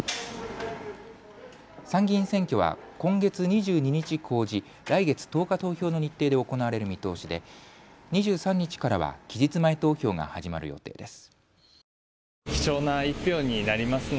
参議院選挙は今月２２日公示、来月１０日投票の日程で行われる見通しで２３日からは期日前投票が始まる予定です。